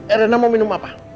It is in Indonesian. eh rena mau minum apa